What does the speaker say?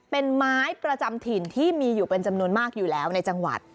เป็นไม้ประจำถิ่นที่มีอยู่เป็นจำนวนมากอยู่แล้วในจังหวัด